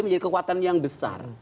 menjadi kekuatan yang besar